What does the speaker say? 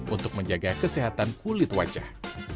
untuk menjaga kesehatan kulit wajah